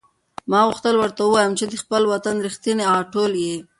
ما غوښتل ورته ووایم چې ته د خپل وطن رښتینې غاټول یې.